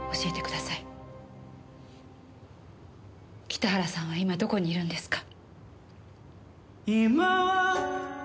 北原さんは今どこにいるんですか？